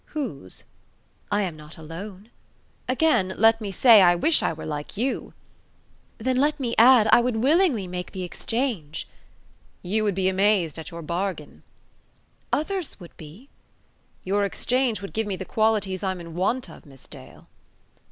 "Whose?" "I am not alone." "Again let me say, I wish I were like you!" "Then let me add, I would willingly make the exchange!" "You would be amazed at your bargain." "Others would be!" "Your exchange would give me the qualities I'm in want of, Miss Dale."